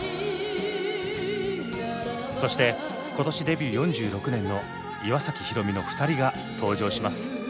そして今年デビュー４６年の岩崎宏美の２人が登場します。